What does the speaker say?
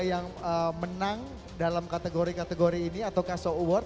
yang menang dalam kategori kategori ini atau kaso award